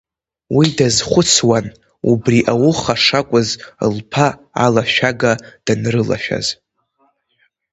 Уи дазхәыцуан убри ауха шакәыз лԥа алашәага данрылашәаз.